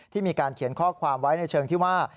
มีการเขียนข้อความไว้ในเชิงที่ว่า